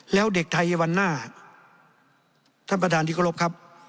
แล้วเด็กไทยวันหน้าท่านประธานที่เคารพครับ